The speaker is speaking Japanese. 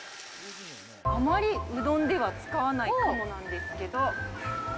あまりうどんでは使わないかもなんですけど。